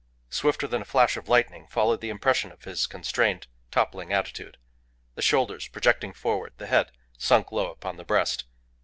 Swifter than a flash of lightning followed the impression of his constrained, toppling attitude the shoulders projecting forward, the head sunk low upon the breast.